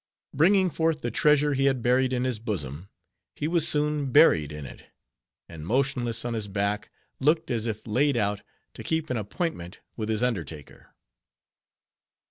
Bringing forth the treasure he had buried in his bosom, he was soon buried in it; and motionless on his back, looked as if laid out, to keep an appointment with his undertaker.